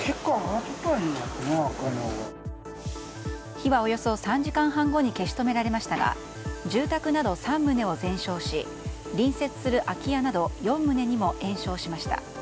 火はおよそ３時間半後に消し止められましたが住宅など３棟を全焼し隣接する空き家など４棟にも延焼しました。